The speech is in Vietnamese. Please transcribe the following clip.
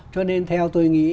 cho nên theo tôi nghĩ